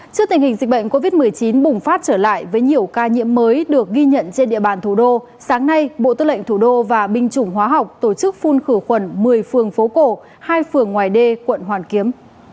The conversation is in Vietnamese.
trước tình hình dịch bệnh covid một mươi chín bùng phát trở lại với nhiều ca nhiễm mới được ghi nhận trên địa bàn thủ đô sáng nay bộ tư lệnh thủ đô và binh chủng hóa học tổ chức phun khử khuẩn một mươi phường phố cổ hai phường ngoài đê quận hoàn kiếm